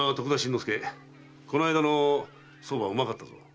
この間の蕎麦はうまかったぞ。